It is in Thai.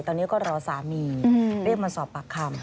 ตอนนี้ก็รอสามีเรียกมาสอบปากคำ